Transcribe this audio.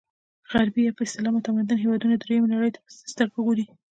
غربي یا په اصطلاح متمدن هېوادونه درېیمې نړۍ ته په څه سترګه ګوري.